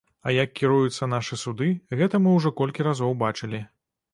А як кіруюцца нашыя суды, гэта мы ўжо колькі разоў бачылі.